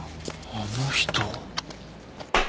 あの人。